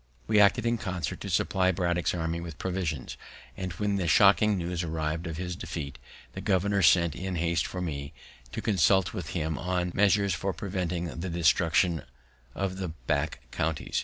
We acted in concert to supply Braddock's army with provisions; and, when the shocking news arrived of his defeat, the governor sent in haste for me, to consult with him on measures for preventing the desertion of the back counties.